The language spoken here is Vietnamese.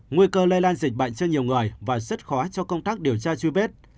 nguy cơ lây lan dịch bệnh cho nhiều người và rất khó cho công tác điều tra truy vết